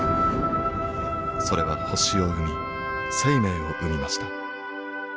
それは星を生み生命を生みました。